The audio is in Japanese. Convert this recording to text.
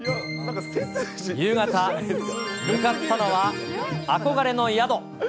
夕方、向かったのは憧れの宿。